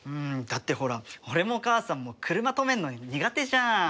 だってほら俺も母さんも車止めるの苦手じゃん。